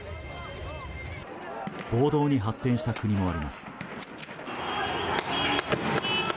暴動に発展した国もあります。